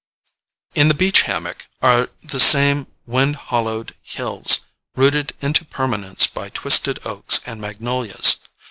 In the beach hammock are the same wind hollowed hills, rooted into permanence by twisted oaks and magnolias.